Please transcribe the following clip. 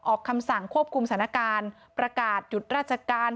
คำสั่งควบคุมสถานการณ์ประกาศหยุดราชการ